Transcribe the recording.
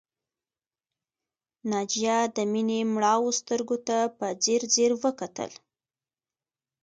ناجیه د مينې مړاوو سترګو ته په ځير ځير وکتل